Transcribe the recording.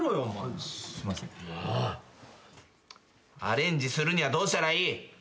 アレンジするにはどうしたらいい？